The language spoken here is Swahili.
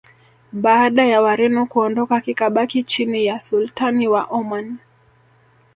baada ya wareno kuondoka kikabaki chini ya sultani wa oman